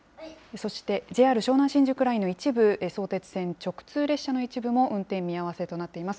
そして、ＪＲ湘南新宿ラインの一部、相鉄線直通の一部も運転見合わせとなっています。